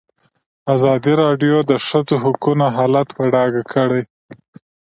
ازادي راډیو د د ښځو حقونه حالت په ډاګه کړی.